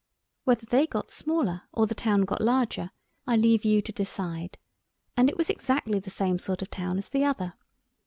Whether they got smaller or the town got larger I leave you to decide. And it was exactly the same sort of town as the other.